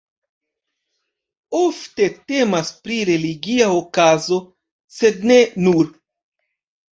Ofte temas pri religia okazo, sed ne nur.